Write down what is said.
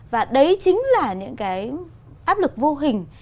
và đấy chính là những cái áp lực vô hình